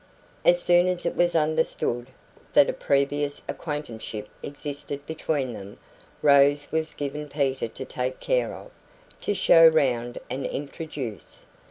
As soon as it was understood that a previous acquaintanceship existed between them, Rose was given Peter to take care of to show round and introduce.